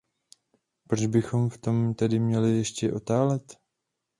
Proč bychom v tom tedy měli ještě otálet?